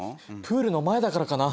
プールの前だからかな？